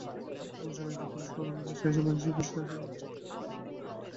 এমন সময়ে একজন পুরুষ করুণার পাশে সেই বেঞ্চে আসিয়া আসিয়া বসিল।